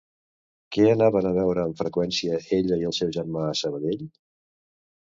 Què anaven a veure en freqüència ella i el seu germà a Sabadell?